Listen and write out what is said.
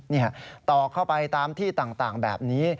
นี่ค่ะตอกเข้าไปตามที่ต่างแบบนี้